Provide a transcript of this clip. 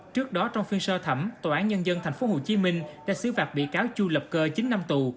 trước đó trong phiên sơ thẩm tòa án nhân dân tp hcm đã xứ vạc bị cáo chu lập cơ chín năm tù